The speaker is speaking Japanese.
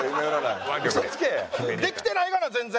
できてないがな全然。